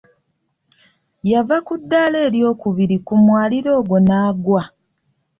Yava ku ddaala eryokubiri ku mwaliiro ogwo n'agwa.